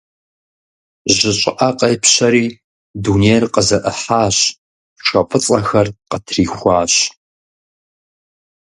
Жьы щӀыӀэ къепщэри, дунейр къызэӀыхьащ, пшэ фӀыцӀэхэр къытрихуащ.